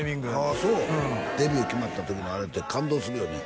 あそううんデビュー決まった時のあれって感動するよね